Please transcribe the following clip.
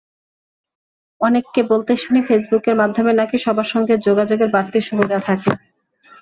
অনেককে বলতে শুনি, ফেসবুকের মাধ্যমে নাকি সবার সঙ্গে যোগাযোগের বাড়তি সুবিধা থাকে।